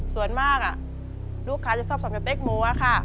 ส่วนมากลูกค้าจะชอบสั่งสเต๊กหมูค่ะ